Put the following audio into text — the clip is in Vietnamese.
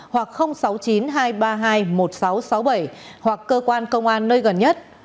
hoặc sáu mươi chín hai trăm ba mươi hai một nghìn sáu trăm sáu mươi bảy hoặc cơ quan công an nơi gần nhất